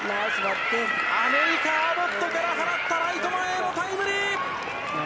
アメリカ、アボットから放ったライト前へのタイムリー！